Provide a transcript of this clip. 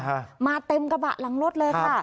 ฮะมาเต็มกระบะหลังรถเลยค่ะ